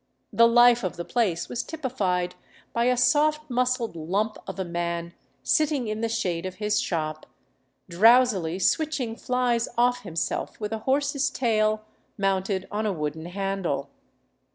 The life of the place was typified by a soft muscled lump of a man gi sitting in the shade of his shop, drowsily switching flies off himself with a horse's tail mounted on a wooden handle.